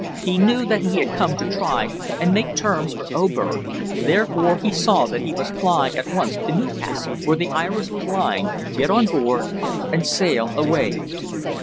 He knew that he had come to try and make terms for Oberg, therefore he saw that he must fly at once to Newcastle, where the Iris was lying, get on board, and sail away.